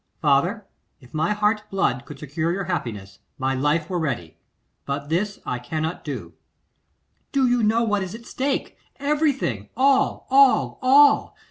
'Father, if my heart's blood could secure your happiness, my life were ready; but this I cannot do.' 'Do you know what is at stake? Everything. All, all, all!